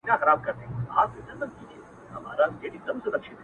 دوه زړونه په سترگو کي راگير سوله.